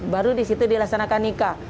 baru di situ dilaksanakan nikah